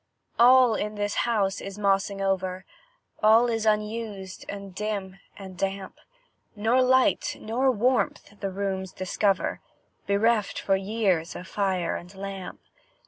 All in this house is mossing over; All is unused, and dim, and damp; Nor light, nor warmth, the rooms discover Bereft for years of fire and lamp.